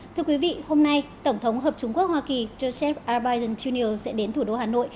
thưa quý vị hôm nay tổng thống hợp chủng quốc hoa kỳ joseph r biden jr sẽ đến thủ đô hà nội